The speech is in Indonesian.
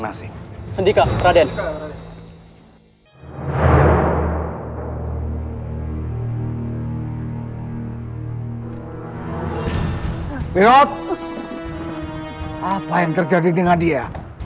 raden apa yang terjadi dengan dia